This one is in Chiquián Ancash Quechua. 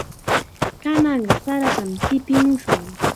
Kananqa saratam tipimushun.